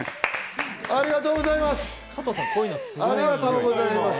ありがとうございます。